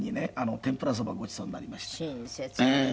天ぷらそばをごちそうになりまして。